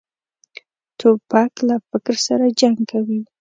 توپک له فکر سره جنګ کوي.